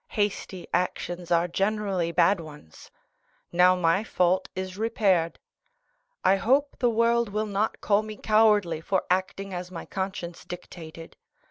Hasty actions are generally bad ones. Now my fault is repaired. I hope the world will not call me cowardly for acting as my conscience dictated.